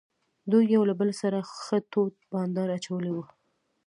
دوی یو له بل سره ښه تود بانډار اچولی وو.